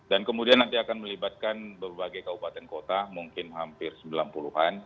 dan kemudian nanti akan melibatkan berbagai kabupaten kota mungkin hampir sembilan puluh an